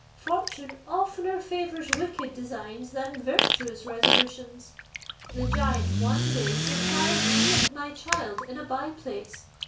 Fortune oftener favours wicked designs than virtuous resolutions. The giant one day surprised me and my child in a by place.